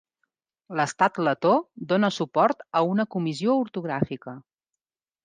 L’estat letó dóna suport a una comissió ortogràfica.